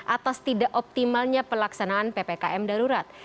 atas tidak optimalnya pelaksanaan ppkm darurat